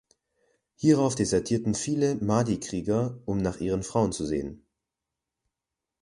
Hierauf desertierten viele Mahdi-Krieger, um nach ihren Frauen zu sehen.